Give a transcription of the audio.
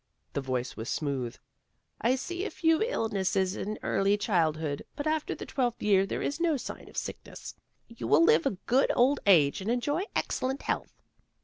The voice was smooth. " I see a few illnesses in early childhood, but after the twelfth year there is no sign of sick ness. You will live to a good old age and enjoy excellent health."